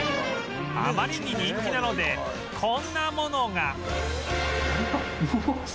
あまりに人気なのでこんなものが